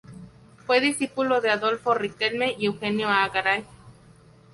Fue condiscípulo de Adolfo Riquelme y Eugenio A. Garay.